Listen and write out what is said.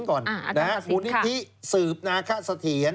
อ่ากกกอาจามกาติกรุณิภิศืบณคสทีน